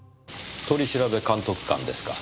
取調監督官ですか。